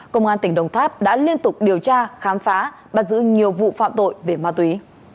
công an tỉnh đồng tháp đã liên tục điều tra khám phá bắt giữ nhiều vụ phạm tội về ma túy